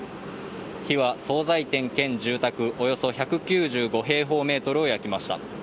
火は総菜店兼住宅およそ１９５平方メートルを焼きました。